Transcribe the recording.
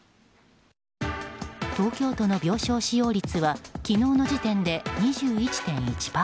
東京都の病床使用率は昨日の時点で２１．１％。